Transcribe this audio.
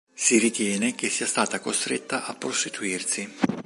Si ritiene che sia stata costretta a prostituirsi.